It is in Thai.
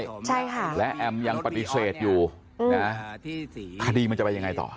ใช่ค่ะและแอมยังปฏิเสธอยู่นะคดีมันจะไปยังไงต่อ